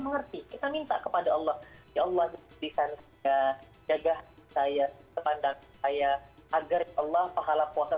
mengerti kita minta kepada allah ya allah bisa jaga hati saya sepandang saya agar allah pahala puasa